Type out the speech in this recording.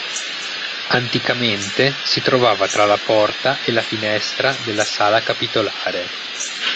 Anticamente si trovava tra la porta e la finestra della Sala Capitolare.